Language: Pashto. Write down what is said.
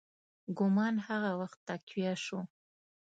ګومان هغه وخت تقویه شو.